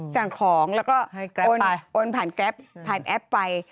สั่งของแล้วก็โอนผ่านแอปไปให้แกร็ปไป